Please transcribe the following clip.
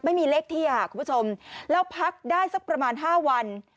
ไม่มีเลขที่ค่ะคุณผู้ชมแล้วพักได้สักประมาณ๕วัน